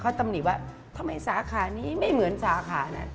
เขาตำหนิว่าทำไมสาขานี้ไม่เหมือนสาขานั้น